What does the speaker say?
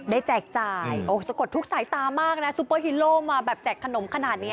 แจกจ่ายโอ้สะกดทุกสายตามากนะซุปเปอร์ฮีโร่มาแบบแจกขนมขนาดนี้